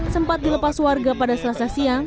sempat dilepas warga pada selasa siang